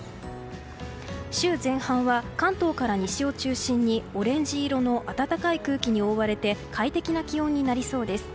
週前半は関東から西を中心にオレンジ色の暖かい空気に覆われて快適な気温になりそうです。